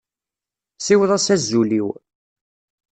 Siweḍ-as azul-iw.